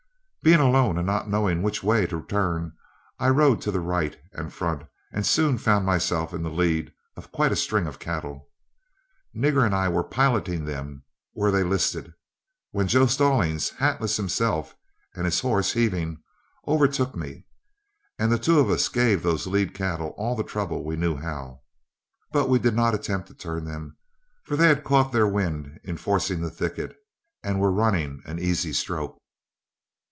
Being alone, and not knowing which way to turn, I rode to the right and front and soon found myself in the lead of quite a string of cattle. Nigger and I were piloting them where they listed, when Joe Stallings, hatless himself and his horse heaving, overtook me, and the two of us gave those lead cattle all the trouble we knew how. But we did not attempt to turn them, for they had caught their wind in forcing the thicket, and were running an easy stroke.